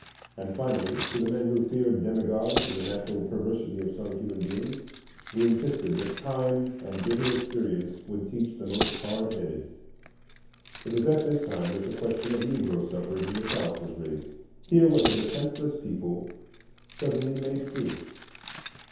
And, finally, to the men who feared demagogues and the natural perversity of some human beings we insisted that time and bitter experience would teach the most hardheaded. It was at this time that the question of Negro suffrage in the South was raised. Here was a defenceless people suddenly made free.